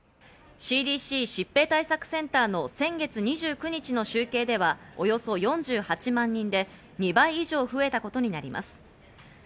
ＣＤＣ＝疾病対策センターの先月２９日の集計ではおよそ４８万人で、２倍以上増えたことになります。